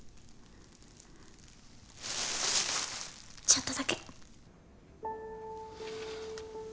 ちょっとだけ。